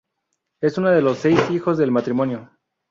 Es una de los seis hijos del matrimonio.